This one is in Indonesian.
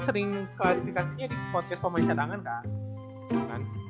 sering klarifikasinya di podcast pemain cadangan kan